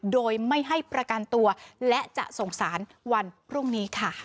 โดยไม่ให้ประกันตัวและจะส่งสารวันพรุ่งนี้ค่ะ